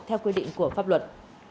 theo quy định của pháp luật